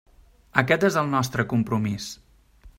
Aquest és el nostre compromís.